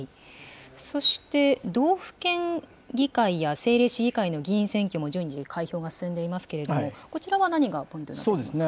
そして、道府県議会や政令市議会の議員選挙も順次、開票が進んでいますけれども、こちらは何がポイントになってきますか。